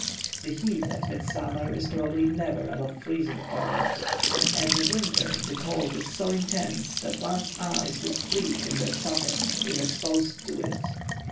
The heat at midsummer is probably never above freezing point; at midwinter the cold is so intense that one's eyes would freeze in their sockets if exposed to it.